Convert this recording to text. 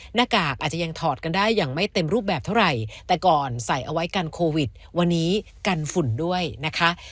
หน้ากากอาจจะยังถอดกันได้อย่างไม่เต็มรูปแบบเท่าไหร่แต่ก่อนใส่เอาไว้กันโควิดวันนี้กันฝุ่นด้วยนะคะ